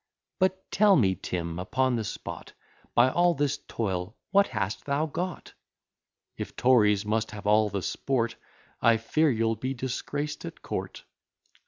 But tell me, Tim, upon the spot, By all this toil what hast thou got? If Tories must have all the sport, I fear you'll be disgraced at court.